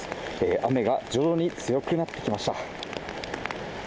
雨が徐々に強くなってきました。